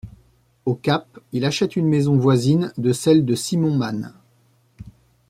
Au Cap, il achète une maison voisine de celle de Simon Mann.